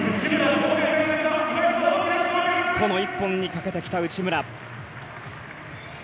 この１本にかけてきた内村。